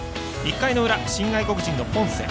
１回の裏、新外国人のポンセ。